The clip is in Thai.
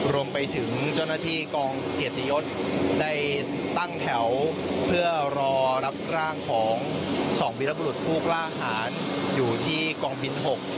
รวมไปถึงเจ้าหน้าที่กองเกียรติยศได้ตั้งแถวเพื่อรอรับร่างของ๒วิรบรุษผู้กล้าหารอยู่ที่กองบิน๖